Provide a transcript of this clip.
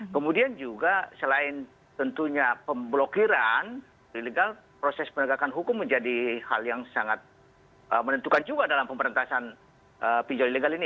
kemudian juga selain tentunya pemblokiran ilegal proses penegakan hukum menjadi hal yang sangat menentukan juga dalam pemberantasan pinjol ilegal ini